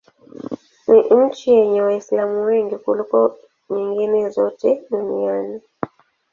Ni nchi yenye Waislamu wengi kuliko nyingine zote duniani.